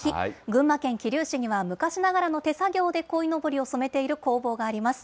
群馬県桐生市には、昔ながらの手作業でこいのぼりを染めている工房があります。